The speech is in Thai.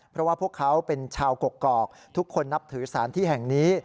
เพราะว่าพวกเขาเป็นชาวกกอกทุกคนนับถือสารที่แห่งนี้